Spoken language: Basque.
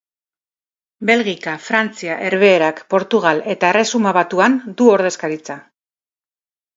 Belgika, Frantzia, Herbehereak, Portugal eta Erresuma Batuan du ordezkaritza.